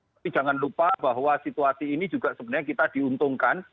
tapi jangan lupa bahwa situasi ini juga sebenarnya kita diuntungkan